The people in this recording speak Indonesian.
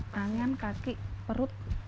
tangan kaki perut